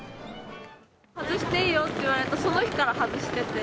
外していいよって言われた、その日から外してて。